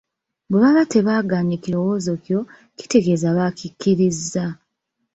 Bwe baba tebagaanye kirowoozo kyo, kitegeeza bakikkirizza.